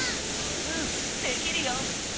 うんできるよ。